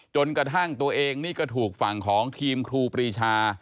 จนกระทั่งตัวเองนี่ก็ถูกฝั่งของทีมครูปรีชา